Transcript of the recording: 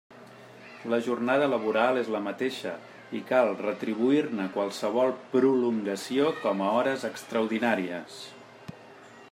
La jornada laboral és la mateixa, i cal retribuir-ne qualsevol prolongació com a hores extraordinàries.